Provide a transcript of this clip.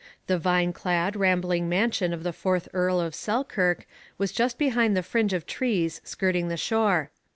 The vine clad, rambling mansion of the fourth Earl of Selkirk was just behind the fringe of trees skirting the shore.